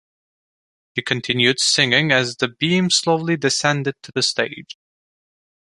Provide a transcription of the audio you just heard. She continued singing as the beam slowly descended to the stage.